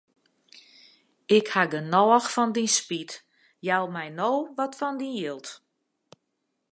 Ik haw genôch fan dyn spyt, jou my no wat fan dyn jild.